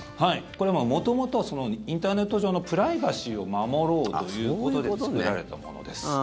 これは元々インターネット上のプライバシーを守ろうということで作られたものです。